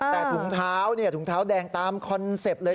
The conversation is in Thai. แต่ถุงเท้าถุงเท้าแดงตามคอนเซ็ปต์เลย